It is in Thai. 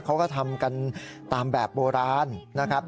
เขาก็ทำกันตามแบบโบราณนะครับ